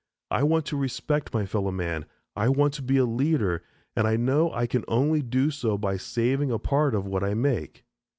I want to respect my fellow man, I want to be a leader, and I know I can only do so by saving a part of what I make."